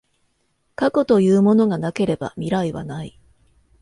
過去というものがなければ未来はない。